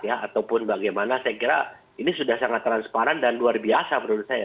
ataupun bagaimana saya kira ini sudah sangat transparan dan luar biasa menurut saya